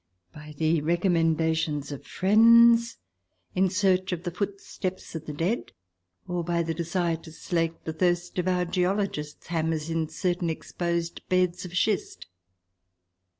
— by the recommenda vii viii PREFACE tions of friends, in search of the footsteps of the dead, or by the desire to slake the thirsts of our geologists' hammers in certain exposed beds of schist.